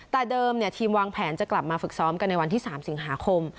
แต่เดิมทีมวางแผนจะกลับมาฝึกซ้อมกันในวันที่๓สิงหาคม